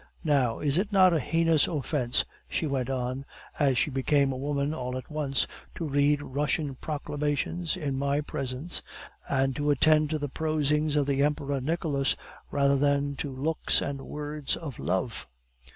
"Now, is it not a heinous offence," she went on, as she became a woman all at once, "to read Russian proclamations in my presence, and to attend to the prosings of the Emperor Nicholas rather than to looks and words of love!"